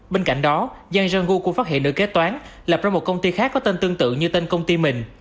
bên cạnh đó yang jong u cũng phát hiện nữ kế toán lập ra một công ty khác có tên tương tự như tên công ty mình